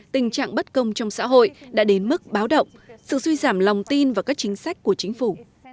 tình trạng bất công trong xã hội đã đến mức báo động sự suy giảm lòng tin và các chính sách của chính phủ